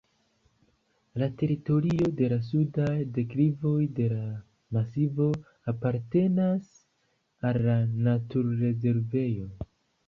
La teritorio de la sudaj deklivoj de la masivo apartenas al la natur-rezervejo.